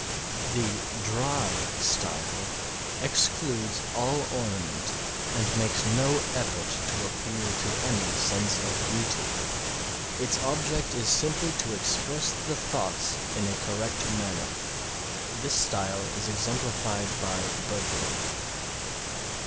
The dry style excludes all ornament and makes no effort to appeal to any sense of beauty. Its object is simply to express the thoughts in a correct manner. This style is exemplified by Berkeley.